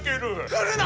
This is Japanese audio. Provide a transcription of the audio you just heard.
来るな！